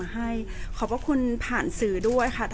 แต่ว่าสามีด้วยคือเราอยู่บ้านเดิมแต่ว่าสามีด้วยคือเราอยู่บ้านเดิม